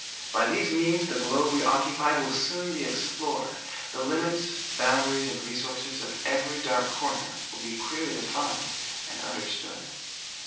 By these means the globe we occupy will soon be explored, the limits, boundaries and resources of every dark corner be clearly defined and understood.